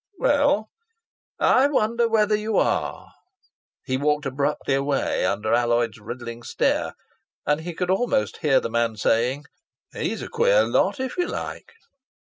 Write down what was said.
"Well, I wonder whether you are." He walked abruptly away under Alloyd's riddling stare, and he could almost hear the man saying, "Well, he's a queer lot, if you like."